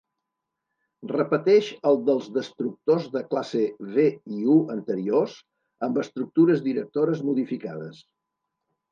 Repeteix el dels destructors de classe V i U anteriors, amb estructures directores modificades.